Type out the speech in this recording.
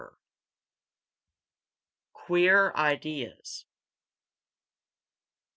VI. QUEER IDEAS.